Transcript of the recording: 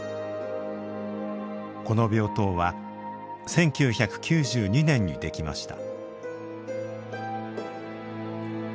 この病棟は１９９２年にできました。